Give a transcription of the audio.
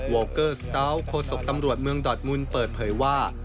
เกอร์สเตาทโศกตำรวจเมืองดอดมุนเปิดเผยว่า